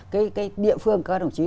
cái địa phương các đồng chí